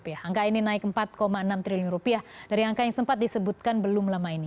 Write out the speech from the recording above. angka ini naik rp empat enam triliun rupiah dari angka yang sempat disebutkan belum lama ini